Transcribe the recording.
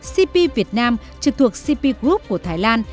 cp việt nam trực thuộc cp group của thái lan